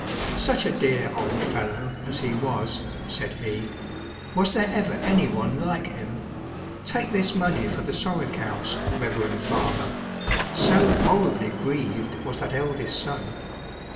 " Such a dear old fellow as he was !" said he ;" was there ever any one like him ? Take this money for the sorokoust, reverend father !" so horribly grieved was that eldest son.